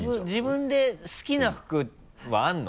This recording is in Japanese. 自分で好きな服はあるの？